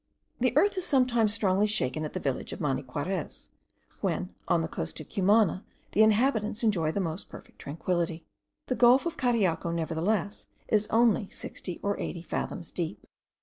The earth is sometimes strongly shaken at the village of Maniquarez, when on the coast of Cumana the inhabitants enjoy the most perfect tranquillity. The gulf of Cariaco, nevertheless, is only sixty or eighty fathoms deep.